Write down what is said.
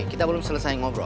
kita belum selesai ngobrol